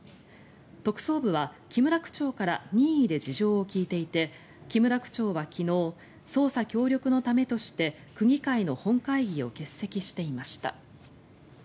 特捜部は木村区長から任意で事情を聴いていて木村区長は昨日捜査協力のためとして区議会の本会議を欠席していました。